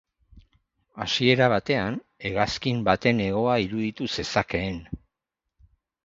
Hasiera batean, hegazkin baten hegoa iruditu zezakeen.